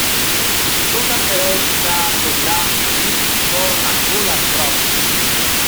Sultan Feroze Shah Tughlaq used to call Maqbul as 'brother'.